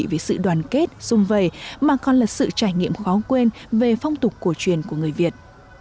về sự đoàn kết xung vầy mà còn là sự trải nghiệm khó quên về phong tục cổ truyền của người việt